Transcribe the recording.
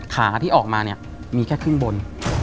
ขาที่ออกมามีแค่ขึ้นบน